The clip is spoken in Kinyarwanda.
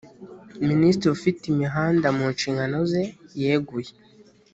minisitiri ufite imihanda mu nshingano ze yeguye.